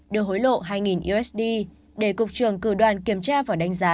đưa hối lộ hai usd để cục trưởng cử đoàn kiểm tra và đánh giá